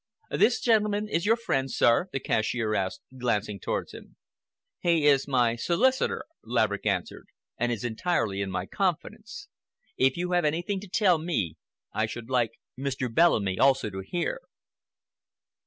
"This gentleman is your friend, sir?" the cashier asked, glancing towards him. "He is my solicitor," Laverick answered, "and is entirely in my confidence. If you have anything to tell me, I should like Mr. Bellamy also to hear."